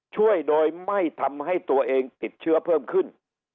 ช่วยโดยไม่ทำให้ตัวเองติดเชื้อเพิ่มขึ้น